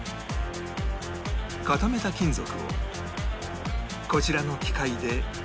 固めた金属をこちらの機械で